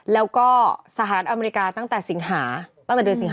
แล้วก็สหรัฐอเมริกาตั้งแต่